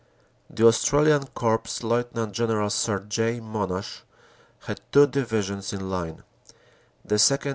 The Australian Corps, Lieut. General Sir J. Monash, had two divisions in line, the 2nd.